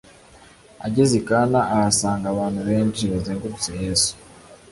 Ageze i Kana ahasanga abantu benshi bazengurutse Yesu.